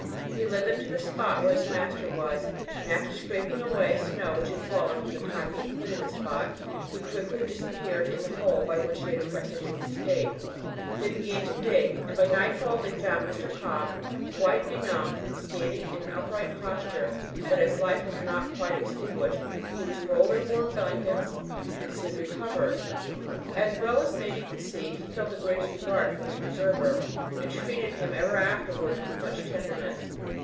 He led them to the spot where his master was, and, after scraping away the snow which had fallen from the time he had quitted the spot, he quickly disappeared in the hole by which he had effected his escape. They began to dig, and by nightfall they found Mr. Cobb quite benumbed, standing in an upright posture; but as life was not quite extinguished he was rolled in warm blankets, and soon recovered. As may well be conceived, he felt the greatest regard for his preserver, and treated him ever afterwards with much tenderness.